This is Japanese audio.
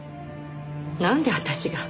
なんで私が。